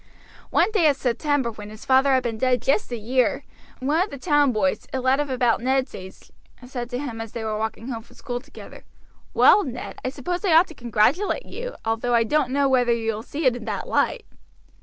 One day in September, when his father had been dead just a year, one of the town boys, a lad of about Ned's age, said to him as they were walking home from school together: "Well, Ned, I suppose I ought to congratulate you, although I don't know whether you will see it in that light."